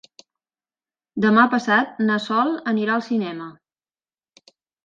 Demà passat na Sol anirà al cinema.